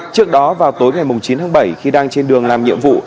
trước đó vào tối ngày chín tháng bảy khi đang trên đường làm nhiệm vụ